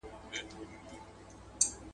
ټیسټسټرون کموالی مزاج اغېزمنوي.